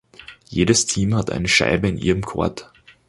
Jedes Team hat eine Scheibe in ihrem Court.